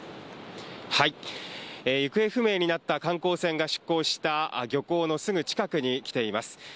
行方不明になった観光船が出港した漁港のすぐ近くに来ています。